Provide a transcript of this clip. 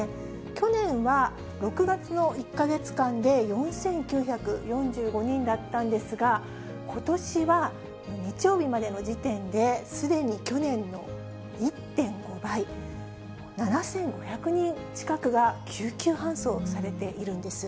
去年は６月の１か月間で４９４５人だったんですが、ことしは日曜日までの時点で、すでに去年の１．５倍、７５００人近くが救急搬送されているんです。